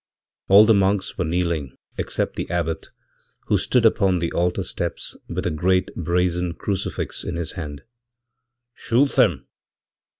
All the monks were kneeling except theabbot, who stood upon the altar steps with a great brazen crucifix inhis hand. 'Shoot them!'